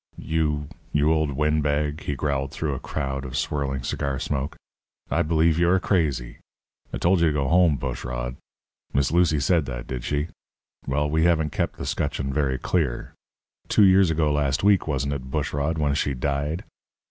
"You you old windbag!" he growled through a cloud of swirling cigar smoke. "I believe you are crazy. I told you to go home, Bushrod. Miss Lucy said that, did she? Well, we haven't kept the scutcheon very clear. Two years ago last week, wasn't it, Bushrod, when she died?